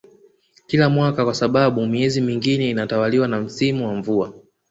kila mwaka kwa sababu miezi mingine inatawaliwa na msimu wa mvua